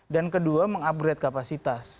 dan kedua mengupgrade kapasitas